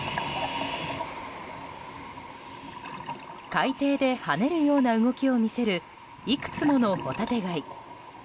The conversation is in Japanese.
海底で跳ねるような動きを見せるいくつものホタテ貝。